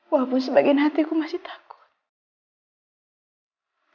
walaupun sebagian hatiku masih takut